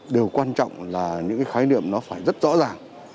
điều quan trọng là những cái khái niệm nó phải rất rõ ràng